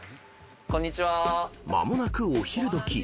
［間もなくお昼時］